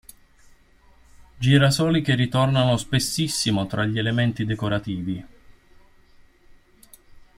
Girasoli che ritornano spessissimo tra gli elementi decorativi.